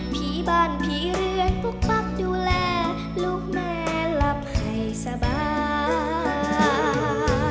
ผีบ้านผีเรือนปุ๊บปั๊บดูแลลูกแม่หลับให้สบาย